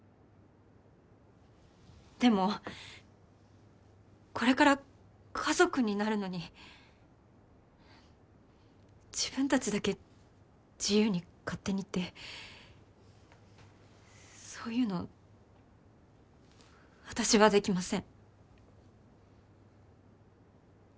でもこれから家族になるのに自分たちだけ自由に勝手にってそういうの私はできません。